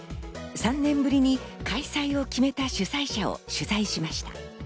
３年ぶりに開催を決めた主催者を取材しました。